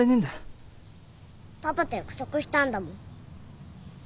パパと約束したんだもん。